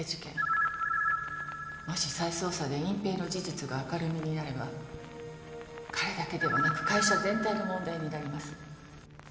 もし再捜査で隠蔽の事実が明るみになれば彼だけではなく会社全体の問題になります。